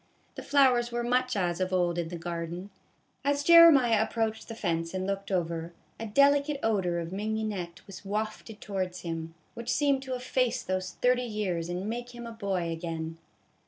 The flowers were much as of old in the garden. As Jeremiah ap proached the fence and looked over, a delicate odor of mignonette was wafted towards him, which seemed to efface those thirty years and make him a boy again.